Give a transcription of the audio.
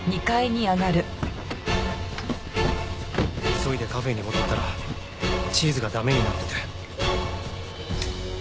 急いでカフェに戻ったらチーズが駄目になってて。